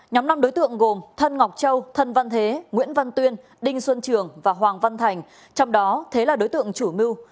nhóm năm đối tượng gồm thân ngọc châu thân văn thế nguyễn văn tuyên đinh xuân trường và hoàng văn thành trong đó thế là đối tượng chủ mưu